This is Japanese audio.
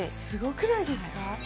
すごくないですか？